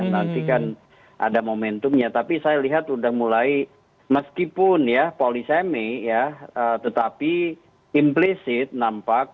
nanti kan ada momentumnya tapi saya lihat udah mulai meskipun ya polisemi ya tetapi implisit nampak